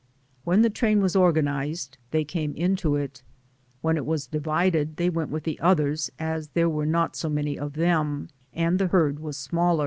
When the train was organized they came into it ; when it was divided they went with the others as there were not so many of them, and the herd was smaller.